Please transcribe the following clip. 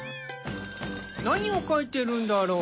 何を描いているんだろう。